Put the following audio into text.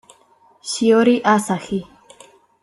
Shiori Asahi